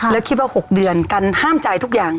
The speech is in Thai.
แล้วคิดว่า๖เดือนกันห้ามจ่ายทุกอย่าง